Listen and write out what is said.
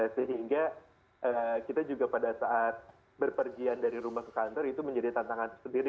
sehingga kita juga pada saat berpergian dari rumah ke kantor itu menjadi tantangan tersendiri